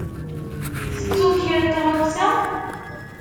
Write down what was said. Tettuḍ kra n tɣawsa?